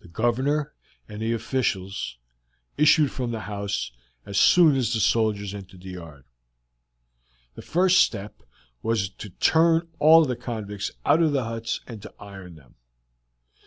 The Governor and the officials issued from the house as soon as the soldiers entered the yard. The first step to do was to turn all the convicts out of the huts and to iron them.